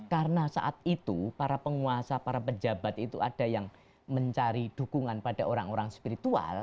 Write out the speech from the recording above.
karena saat itu para penguasa para pejabat itu ada yang mencari dukungan pada orang orang spiritual